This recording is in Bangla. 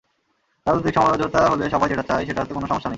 রাজনৈতিক সমাঝোতা হলে সবাই যেটা চায়, সেটা হতে কোনো সমস্যা নেই।